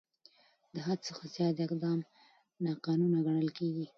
د حد څخه زیات اقدام ناقانونه ګڼل کېږي.